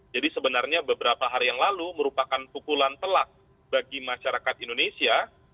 jadi sebenarnya beberapa hari yang lalu merupakan pukulan telak bagi masyarakat indonesia